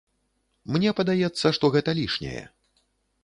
Мне падаецца, што гэта лішняе.